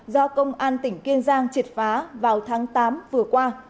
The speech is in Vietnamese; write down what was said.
do công an tỉnh kiên giang triệt phá vào tháng tám vừa qua